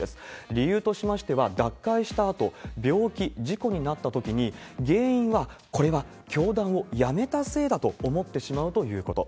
理由としましては、脱会したあと、病気、事故になったときに、原因は、これは教団をやめたせいだと思ってしまうということ。